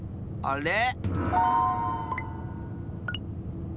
あれ？